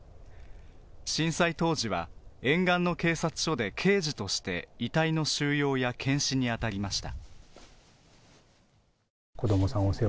震災当時は沿岸の警察署で刑事として遺体の収容や検視に当たりました。